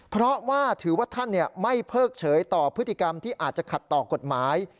เพราะว่าถือว่าท่านไม่เพิกเฉยต่อพฤติกรรมที่อาจจะขัดต่อกฎหมาย